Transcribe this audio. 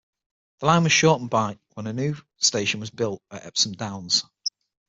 The line was shortened by when a new station was built at Epsom Downs.